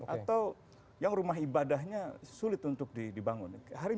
atau yang rumah ibadahnya sulit untuk dibangun